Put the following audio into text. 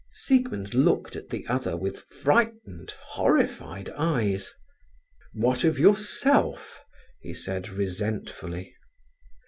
Siegmund looked at the other with frightened, horrified eyes. "What of yourself?" he said, resentfully.